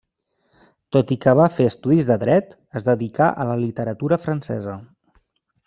Tot i que va fer estudis de dret, es dedicà a la literatura francesa.